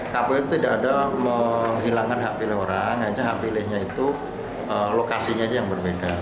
kpu itu tidak ada menghilangkan hak pilih orang hanya hak pilihnya itu lokasinya aja yang berbeda